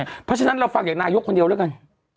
เพราะฉะนั้นเราฟังจากนายกคนเดียวแล้วกัน